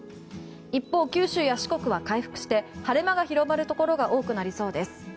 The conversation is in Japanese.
一方、九州や四国は回復して晴れ間が広がるところが多くなりそうです。